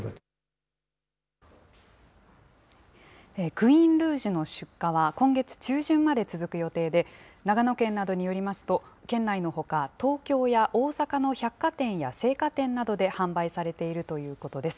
クイーンルージュの出荷は、今月中旬まで続く予定で、長野県などによりますと、県内のほか、東京や大阪の百貨店や青果店などで販売されているということです。